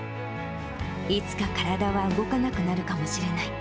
いつか体は動かなくなるかもしれない。